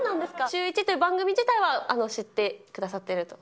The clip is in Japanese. シューイチという番組自体は知ってくださっていると？